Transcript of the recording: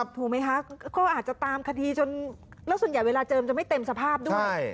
ถูกไหมคะก็อาจจะตามคดีจนแล้วส่วนใหญ่เวลาเจิมจะไม่เต็มสภาพด้วย